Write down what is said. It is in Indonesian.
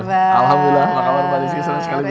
alhamdulillah apa kabar pak niski senang sekali bisa hadir